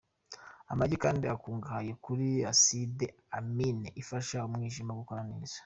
Amagi kandi akungahaye kuri acide amine ifasha umwijima gukora neza.